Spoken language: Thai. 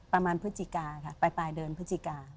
ประมาณพุธชิกาค่ะไปป่ายเดินพุธชิกา